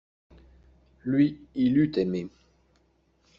Lui, il eut aimé.